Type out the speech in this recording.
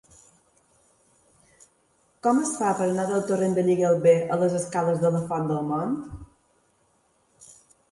Com es fa per anar del torrent de Lligalbé a les escales de la Font del Mont?